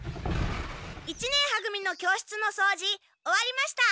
一年は組の教室のそうじ終わりました！